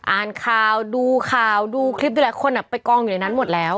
อ่านคาวดูคาวดูคลิปทุกคนไปกล้องอยู่ในนั้นหมดแล้ว